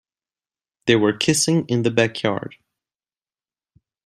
They were kissing in the backyard.